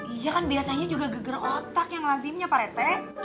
iya kan biasanya juga geger otak yang lazimnya parete